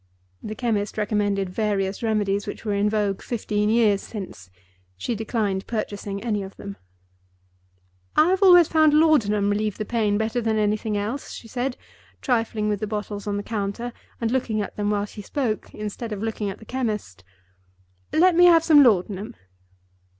The chemist recommended various remedies which were in vogue fifteen years since. She declined purchasing any of them. "I have always found Laudanum relieve the pain better than anything else," she said, trifling with the bottles on the counter, and looking at them while she spoke, instead of looking at the chemist. "Let me have some Laudanum."